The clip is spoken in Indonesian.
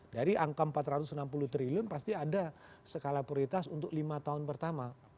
dari angka empat ratus enam puluh triliun pasti ada skala prioritas untuk lima tahun pertama